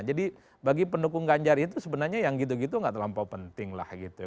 jadi bagi pendukung ganjar itu sebenarnya yang gitu gitu gak terlampau penting lah gitu